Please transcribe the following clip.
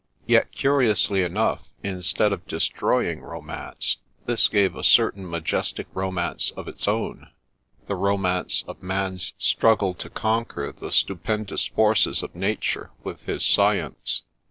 Yet, curiously enough, in stead of destroying romance, this gave a certain majestic romance of its own ; the romance of man's struggle to conquer the stupendous forces of Nature with his science.